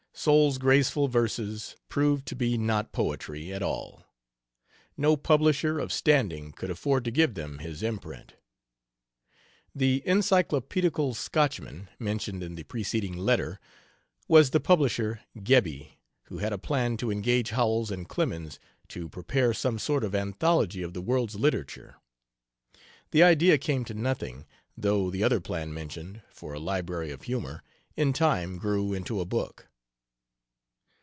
Soule's graceful verses proved to be not poetry at all. No publisher of standing could afford to give them his imprint. The "Encyclopedical Scotchman" mentioned in the preceding letter was the publisher Gebbie, who had a plan to engage Howells and Clemens to prepare some sort of anthology of the world's literature. The idea came to nothing, though the other plan mentioned for a library of humor in time grew into a book.